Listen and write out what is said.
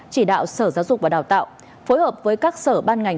chỉ đạo sở giáo dục và đào tạo phối hợp với các sở ban ngành